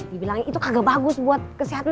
dibilangnya itu agak bagus buat kesehatan